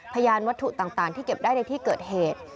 พยานวัตถุต่างที่เก็บได้ในที่เกิดเหตุ